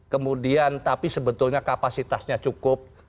kemudian tapi sebetulnya kapasitasnya cukup